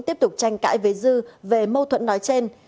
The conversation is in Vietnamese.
tiếp tục tranh cãi với dư về mâu thuẫn nói trên